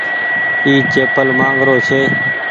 اي چيپل مآنگ رو ڇي۔